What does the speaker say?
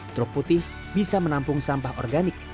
truk putih bisa menampung sampah organik